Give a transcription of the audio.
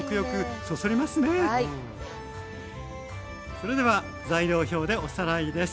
それでは材料表でおさらいです。